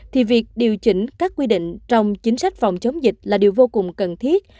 thì việc điều chỉnh các quy định trong chính sách phòng chống dịch là điều vô cùng cần thiết